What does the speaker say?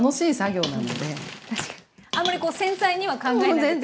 あんまり繊細には考えなくていいですよね。